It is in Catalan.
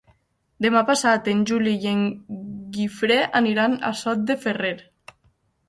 Demà passat en Juli i en Guifré aniran a Sot de Ferrer.